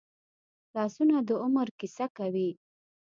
لاسونه د عمر کیسه کوي